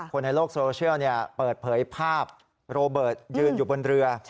คนในโลกโซเชียลเปิดเผยภาพโรเบิร์ตยืนอยู่บนเรือ